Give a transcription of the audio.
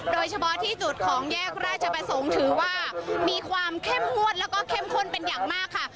โดยเฉพาะที่จุดของแยกราชประสงค์ถือว่ามีความเข้มงวดแล้วก็เข้มข้นเป็นอย่างมากค่ะ